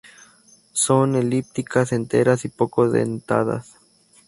Son elípticas, enteras y poco dentadas.